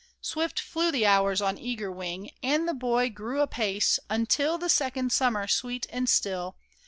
Swift flew the hours on eager wing ; And the boy grew apace, until The second summer, sweet and still.